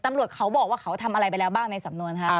ตำรวจเขาบอกว่าเขาทำอะไรไปแล้วบ้างในสำนวนคะ